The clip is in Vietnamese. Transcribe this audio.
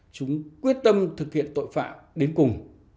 chúng quyết tâm thực hiện tội phạm đến cùng